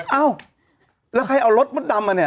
เอ้าแล้วใครเอารถมดดำมาเนี่ย